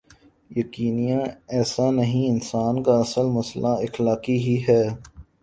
یقینا ایسا نہیں انسان کا اصل مسئلہ اخلاقی ہی ہے۔